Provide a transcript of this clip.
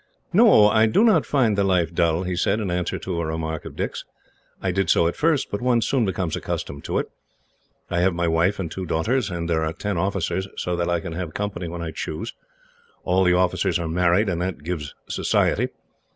"No, I do not find the life dull," he said, in answer to a remark of Dick's. "I did so at first, but one soon becomes accustomed to it. I have my wife and two daughters, and there are ten officers, so that I can have company when I choose. All the officers are married, and that gives society.